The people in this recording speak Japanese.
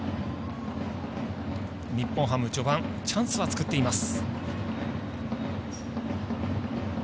日本ハム、序盤チャンスは作っています。